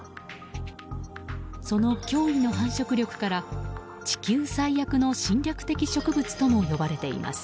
その脅威の繁殖量から地球最悪の侵略的植物とも呼ばれています。